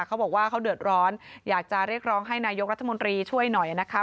เขาบอกว่าเขาเดือดร้อนอยากจะเรียกร้องให้นายกรัฐมนตรีช่วยหน่อยนะคะ